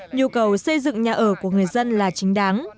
nhu cầu xây dựng nhà ở của người dân là chính đáng